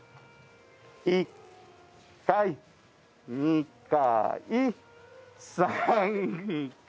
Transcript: １回、２回、３回。